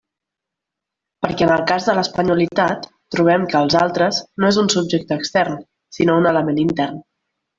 Perquè en el cas de l'espanyolitat trobem que els «altres» no és un subjecte extern sinó un element intern.